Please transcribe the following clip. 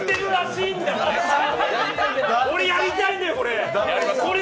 俺やりたいんだよ、これ。